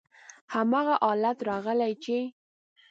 هماغه حالت راغلی چې: